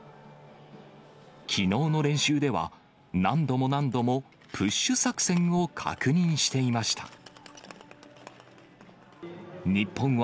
きのうの練習では、何度も何度もプッシュ作戦を確認していました。